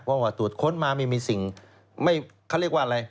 เพราะว่าตรวจค้นมาไม่มีสิ่งไม่เขาเรียกว่าอะไร